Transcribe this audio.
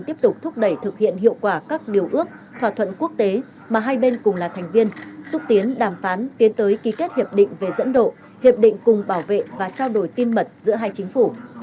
tiếp tục thúc đẩy thực hiện hiệu quả các điều ước thỏa thuận quốc tế mà hai bên cùng là thành viên xúc tiến đàm phán tiến tới ký kết hiệp định về dẫn độ hiệp định cùng bảo vệ và trao đổi tin mật giữa hai chính phủ